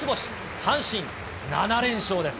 阪神７連勝です。